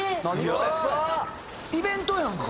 イベントやんか！